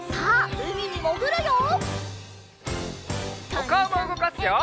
おかおもうごかすよ！